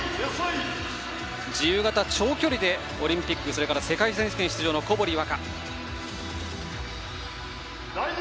自由形、長距離でオリンピック、世界選手権出場の小堀倭加。